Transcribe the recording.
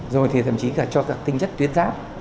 rồi thì thậm chí cho các tinh chất tuyết giáp